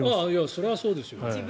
それはそうですよ。